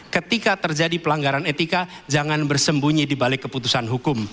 ketika terjadi pelanggaran etika jangan bersembunyi di balik keputusan hukum